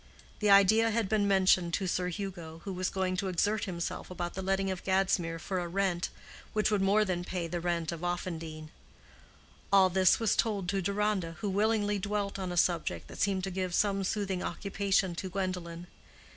The idea had been mentioned to Sir Hugo, who was going to exert himself about the letting of Gadsmere for a rent which would more than pay the rent of Offendene. All this was told to Deronda, who willingly dwelt on a subject that seemed to give some soothing occupation to Gwendolen.